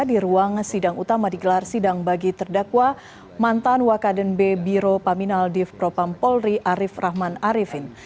di ruang sidang utama digelar sidang bagi terdakwa mantan wakaden b biro paminal div propam polri arief rahman arifin